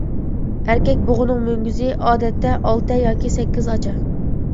ئەركەك بۇغىنىڭ مۈڭگۈزى ئادەتتە ئالتە ياكى سەككىز ئاچا.